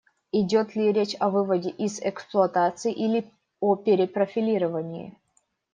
Идет ли речь о выводе из эксплуатации или о перепрофилировании?